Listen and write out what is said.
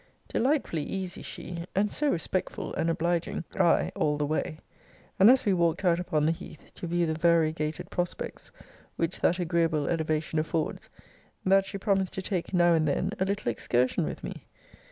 Delightfully easy she, and so respectful and obliging I, all the way, and as we walked out upon the heath, to view the variegated prospects which that agreeable elevation affords, that she promised to take now and then a little excursion with me.